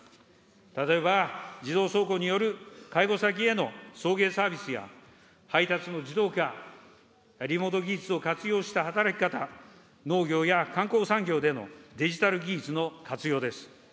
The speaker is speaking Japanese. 例えば、自動走行による介護先への送迎サービスや、配達の自動化、リモート技術を活用した働き方、農業や観光産業でのデジタル技術の活用です。